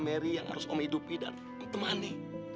mary yang harus om hidupi dan temani